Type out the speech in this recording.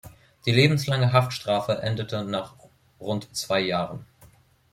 Die lebenslange Haftstrafe endete nach rund zwei Jahren.